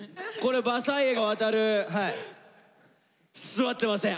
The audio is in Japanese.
座ってません！